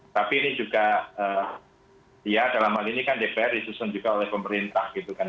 tapi ini juga ya dalam hal ini kan dpr disusun juga oleh pemerintah gitu kan